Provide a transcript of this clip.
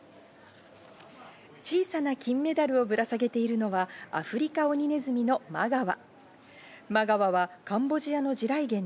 小さな金メダルをぶら下げているのは、アフリカオニネズミのマガワ。